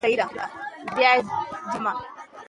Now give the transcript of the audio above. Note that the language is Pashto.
د افغانستان مشران په افغاني مسايلو کيتاریخي رول لري.